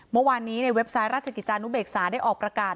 เมื่อวานนี้ในเว็บไซต์ราชกิจจานุเบกษาได้ออกประกาศ